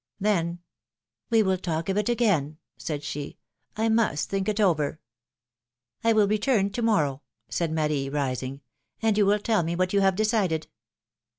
Then : We will talk of it again," said she. I must think it over." will return to morrow," said Marie, rising, and you will tell me \vhat you have decided."